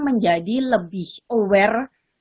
menjadi lebih aware